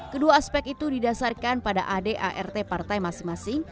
kedua aspek itu didasarkan pada adart partai masing masing